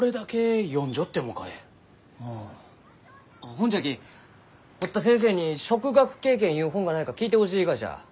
ほんじゃき堀田先生に「植学啓原」ゆう本がないか聞いてほしいがじゃ。